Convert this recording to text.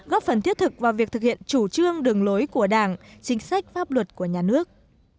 góp phần thiết thực vào việc thực hiện chủ trương đường lối của đảng chính sách pháp luật của nhà nước